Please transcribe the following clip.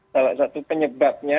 salah satu penyebabnya